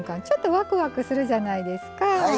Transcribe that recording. ちょっとワクワクするじゃないですか。